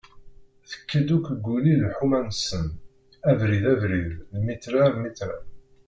Tekka-d akk Guli lḥuma-nsen, abrid abrid, lmitra lmitra.